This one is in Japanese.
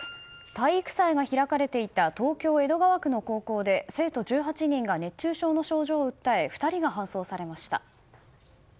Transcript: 体育祭が開かれていた東京・江戸川区の高校で生徒１８人が熱中症の症状を訴え２人が搬送されました。